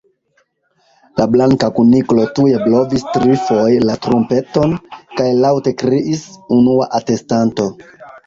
La Blanka Kuniklo tuj blovis trifoje la trumpeton, kaj laŭte kriis: "Unua atestanto!"